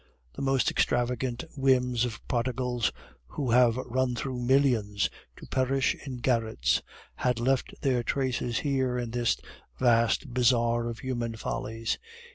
The most extravagant whims of prodigals, who have run through millions to perish in garrets, had left their traces here in this vast bazar of human follies.